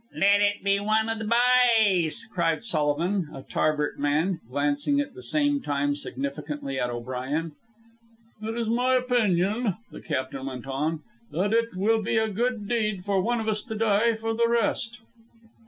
"Let it be one of the b'ys!" cried Sullivan, a Tarbert man, glancing at the same time significantly at O'Brien. "It is my opinion," the captain went on, "that it will be a good deed for one of us to die for the rest."